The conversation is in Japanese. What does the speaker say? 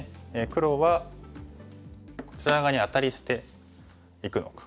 黒はこちら側にアタリしていくのか。